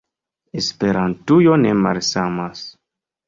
Esperantujo ne malsamas.